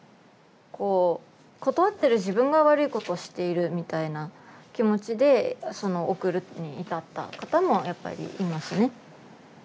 こう断ってる自分が悪いことをしているみたいな気持ちで送るに至った方もやっぱりいますね。